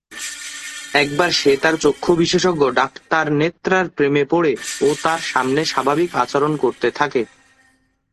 একবার সে তার চক্ষু বিশেষজ্ঞ ডাক্তারনেত্রার প্রেমে পড়ে ও তার সামনে স্বাভাবিক আচরণ করতে থাকে।